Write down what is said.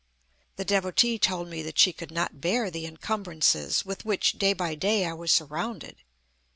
The Devotee told me that she could not bear the encumbrances, with which, day by day, I was surrounded.